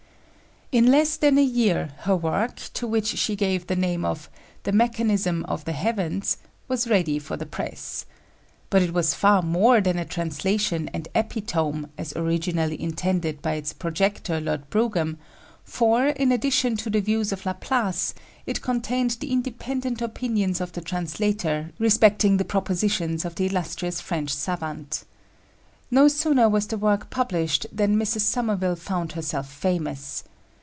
In less than a year her work, to which she gave the name of The Mechanism of the Heavens, was ready for the press. But it was far more than a translation and epitome, as originally intended by its projector, Lord Brougham; for, in addition to the views of Laplace, it contained the independent opinions of the translator respecting the propositions of the illustrious French savant. No sooner was the work published than Mrs. Somerville found herself famous.